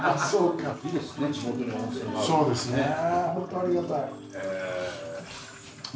そうですね